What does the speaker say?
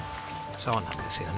そうなんですよね。